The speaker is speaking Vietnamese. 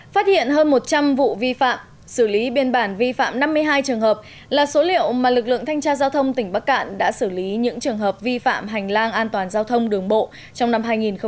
phát hiện hơn một trăm linh vụ vi phạm xử lý biên bản vi phạm năm mươi hai trường hợp là số liệu mà lực lượng thanh tra giao thông tỉnh bắc cạn đã xử lý những trường hợp vi phạm hành lang an toàn giao thông đường bộ trong năm hai nghìn một mươi chín